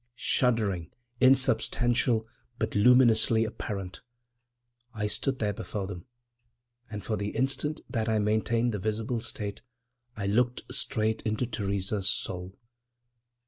Shuddering, insubstantial, but luminously apparent, I stood there before them. And for the instant that I maintained the visible state I looked straight into Theresa's soul.